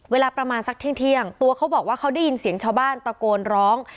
เวลาประมาณสักเที่ยงตัวเขาบอกว่าเขาได้ยินเสียงชาวบ้านตะโกนร้อง